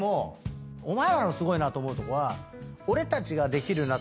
お前らのすごいなと思うとこは。